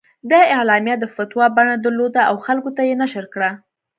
دا اعلامیه د فتوا بڼه درلوده او خلکو ته یې نشر کړه.